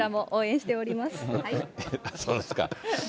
そうですか。